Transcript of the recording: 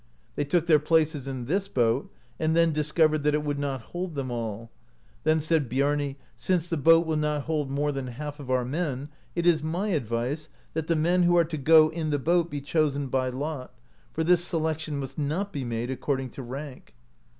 They took their places in this boat, and then discovered that it would not hold them all. Then said Biarni : "Since the boat will not hold more than half of our men, it is my advice, that the men who are to go in the boat be chosen by lot, for this selection must not be made according to rank."